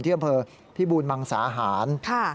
ที่บูรณ์มังสาหาร